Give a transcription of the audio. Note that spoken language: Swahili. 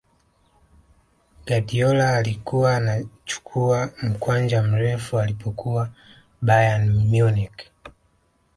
guardiola alikuwa anachukua mkwanja mrefu alipokuwa bayern munich